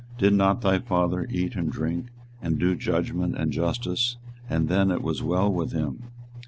did not thy father eat and drink, and do judgment and justice, and then it was well with him?